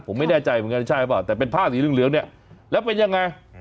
ผมไม่แน่ใจเหมือนกันใช่หรือเปล่าแต่เป็นผ้าสีเหลืองเนี่ยแล้วเป็นยังไง